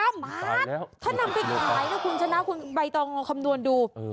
ถ้านำไปขายแล้วคุณชนะคุณไปต่อคำนวณดู